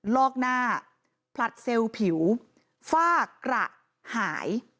ลอกหน้าผลัดเซลล์ผิวฝ้ากระหาย